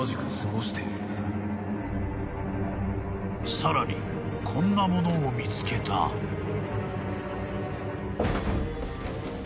［さらにこんなものを見つけた］ん？